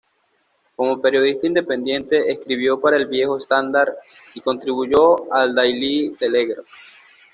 Como periodista independiente escribió para el viejo Standard y contribuyó al Daily Telegraph.